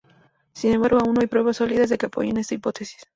Sin embargo, aún no hay pruebas sólidas que apoyen esta hipótesis.